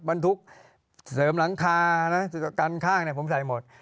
บรรทุกเสริมหลังคานะกันข้างผมใส่หมด